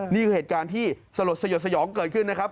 นี่คือเหตุการณ์ที่สลดสยดสยองเกิดขึ้นนะครับ